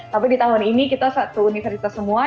tapi di tahun ini kita satu universitas semua